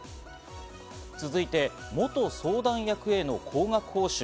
続いて、元相談役への高額報酬。